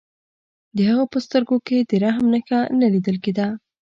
د هغه په سترګو کې د رحم نښه نه لیدل کېده